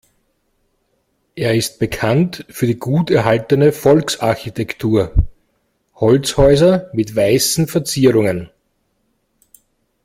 Er ist bekannt für die gut erhaltene Volksarchitektur, Holzhäuser mit weißen Verzierungen.